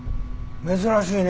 珍しいね